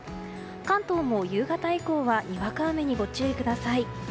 関東も夕方以降はにわか雨にご注意ください。